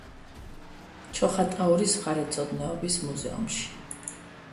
ჩოხატაურის მხარეთმცოდნეობის მუზეუმში.